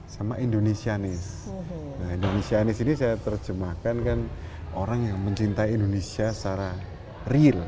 sama indonesianis indonesianis ini saya terjemahkan kan orang yang mencintai indonesia secara real